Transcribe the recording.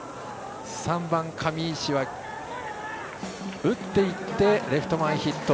３番、上石は打っていってレフト前ヒット。